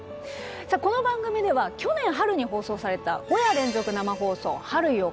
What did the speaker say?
この番組では去年春に放送された「５夜連続生放送春よ、来い！」